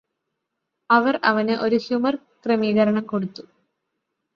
അവർ അവന് ഒരു ഹ്യുമർ ക്രമീകരണം കൊടുത്തു